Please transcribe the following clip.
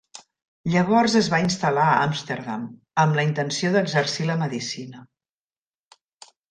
Llavors es va instal·lar a Àmsterdam, amb la intenció d'exercir la medicina.